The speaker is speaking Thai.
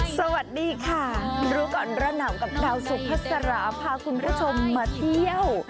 สวัสดีค่ะรู้ก่อนร้อนหนาวกับดาวสุภาษาพาคุณผู้ชมมาเที่ยว